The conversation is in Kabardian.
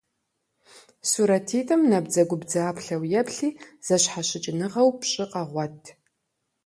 Сурэтитӏым набдзэгубдзаплъэу еплъи, зэщхьэщыкӏыныгъэу пщӏы къэгъуэт.